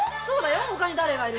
そうだよ。